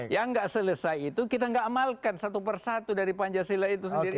yang nggak selesai itu kita nggak amalkan satu persatu dari pancasila itu sendiri